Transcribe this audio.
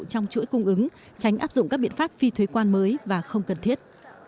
trong chuỗi cung ứng tránh áp dụng các biện pháp phi thuế quan mới và không cần thiết